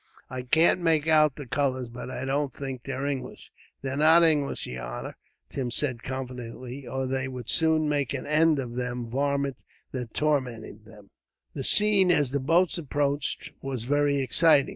I can't make out the colours, but I don't think they're English." "They're not English, yer honor," Tim said confidently, "or they would soon make an end of them varmint that's tormenting them." The scene, as the boats approached, was very exciting.